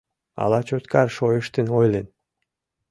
«Ала Чоткар шойыштын ойлен?»